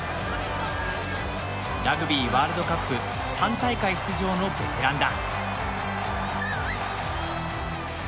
ラグビーワールドカップ３大会出場のベテランだ。